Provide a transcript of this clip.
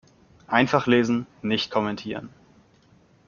Einfach lesen, nicht kommentieren.